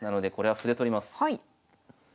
はい。